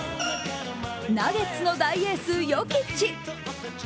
ナゲッツの大エース・ヨキッチ。